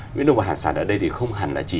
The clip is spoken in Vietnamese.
nguyên lục hạt sản ở đây thì không hẳn là chỉ